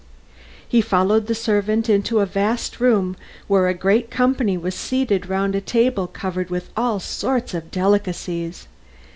He followed the servant into a vast room, where a great company was seated round a table covered with all sorts of delicacies.